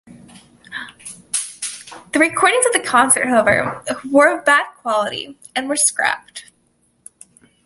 The recordings of the concert, however, were of bad quality and were scrapped.